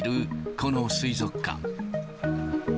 この水族館。